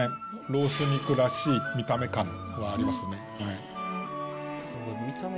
ロース肉らしい見た目感はありますね。